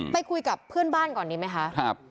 ไปคุยกับเพื่อนบ้านก่อนดีไหมคะ